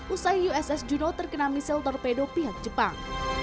usai uss juno terkena misil torpedo pihak jepang